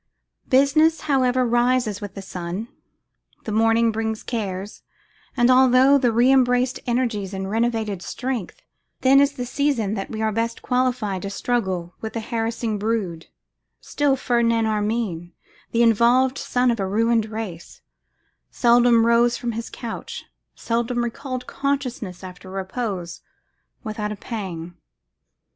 Business, however, rises with the sun. The morning brings cares, and although with rebraced energies and renovated strength, then is the season that we are best qualified to struggle with the harassing brood, still Ferdinand Armine, the involved son of a ruined race, seldom rose from his couch, seldom recalled consciousness after repose, without a pang.